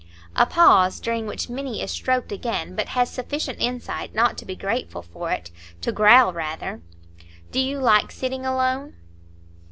A pause; during which Minny is stroked again, but has sufficient insight not to be grateful for it, to growl rather. "Do you like sitting alone?"